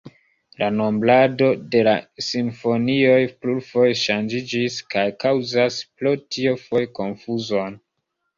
La nombrado de la simfonioj plurfoje ŝanĝiĝis kaj kaŭzas pro tio foje konfuzon.